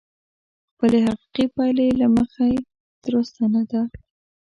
خپلې حقيقي پايلې له مخې درسته نه ده.